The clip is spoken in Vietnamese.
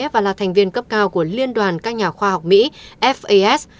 và là thành viên cấp cao của liên đoàn các nhà khoa học mỹ fas